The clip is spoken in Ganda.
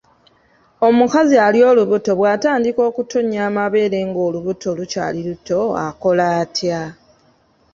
Omukazi ali olubuto bw’atandika okutonnya amabeere nga olubuto lukyali luto akola atya?